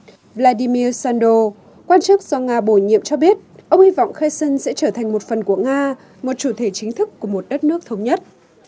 trong khi đó vladimir sando quan chức do nga bổ nhiệm cho biết ông hy vọng kherson sẽ trở thành một phần của nga một chủ thể chính thức của một đất nước thống nhất